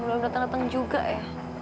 mas adel sudah datang juga ya